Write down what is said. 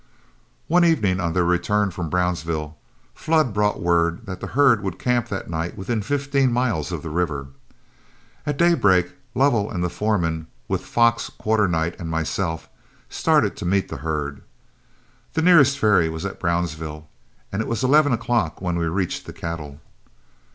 One evening, on their return from Brownsville, Flood brought word that the herd would camp that night within fifteen miles of the river. At daybreak Lovell and the foreman, with "Fox" Quarternight and myself, started to meet the herd. The nearest ferry was at Brownsville, and it was eleven o'clock when we reached the cattle.